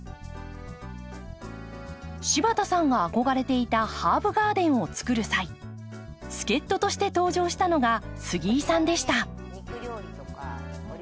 柴田さんが憧れていたハーブガーデンをつくる際助っ人として登場したのが杉井さんでした。